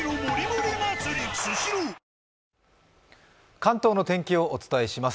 関東の天気をお伝えします。